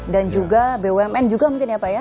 dan juga bumn juga mungkin ya pak ya